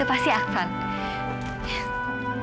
kenapa gelisah sekali kelihatannya